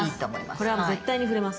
これは絶対に触れます。